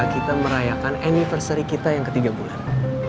kita merayakan anniversary kita yang ketiga bulan